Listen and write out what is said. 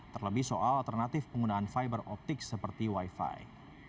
terlebih soal alternatif penggunaan fiber optik seperti wifi